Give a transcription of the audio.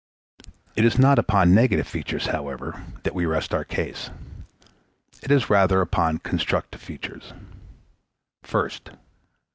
It is not upon negative features, however, that we rest our case. It is rather upon constructive features. _First.